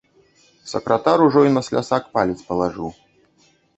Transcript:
Сакратар ужо й на слясак палец палажыў.